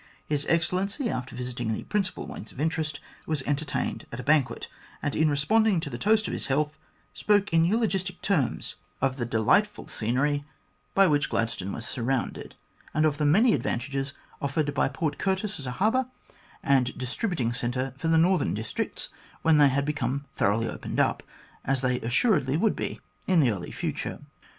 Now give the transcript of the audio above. His Excellency, after visiting the principal points of interest, was entertained at a banquet, and in responding to the toast of his health, spoke in eulogistic terms of the delightful scenery by which 82 THE GLADSTONE COLONY Gladstone was surrounded, and of the many advantages offered by Port Curtis as a harbour and distributing centre for the northern districts when they became thoroughly opened up, as they assuredly would be in the early future.